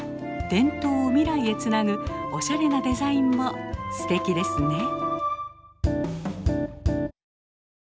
伝統を未来へつなぐおしゃれなデザインもすてきですね。